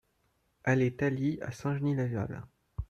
Allée Thalie à Saint-Genis-Laval